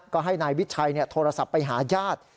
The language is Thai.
ก็ให้นายวิชัยโทรศัพท์ไปหาญาติ